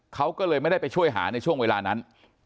เขาก็เลยไม่ได้ไปช่วยหาในช่วงเวลานั้น